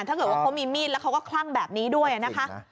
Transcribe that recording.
ถ้าเกิดว่าเขามีมีดแล้วเขาก็คลั่งแบบนี้ด้วยนะคะ